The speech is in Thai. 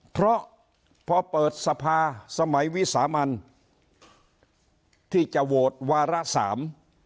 เพราะพอเปิดสภาสมัยวิสามันที่จะโหวตวาระสาม